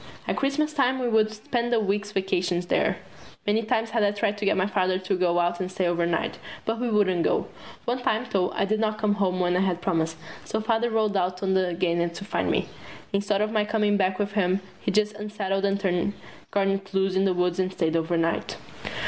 At Christmas time we would spend the week's vacation there. Many times had I tried to get my Father to go out and stay overnight. But he wouldn't go. One time, though, I did not come home when I had promised, so Father rode out on Garnett to find me. Instead of my coming back with him he just unsaddled and turned Garnett loose in the woods and stayed overnight.